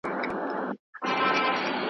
وطن د ټولو ګډ کور دی.